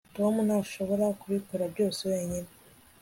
Tom ntashobora kubikora byose wenyine